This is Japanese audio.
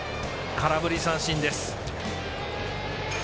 空振り三振です。